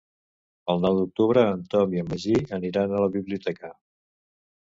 El nou d'octubre en Tom i en Magí aniran a la biblioteca.